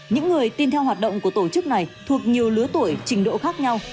những người tin theo hoạt động của tổ chức này thuộc nhiều lứa tuổi trình độ khác nhau